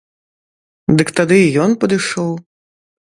Дык тады і ён падышоў.